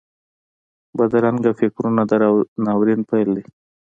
بدرنګه فکرونه د ناورین پیل وي